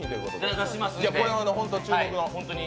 これは本当注目の。